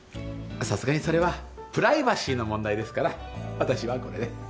さすがにそれはプライバシーの問題ですから私はこれで。